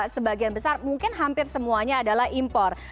sebagian besar mungkin hampir semuanya adalah impor